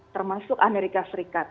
termasuk amerika serikat